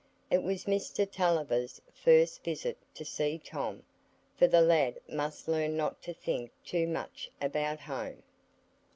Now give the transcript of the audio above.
It was Mr Tulliver's first visit to see Tom, for the lad must learn not to think too much about home.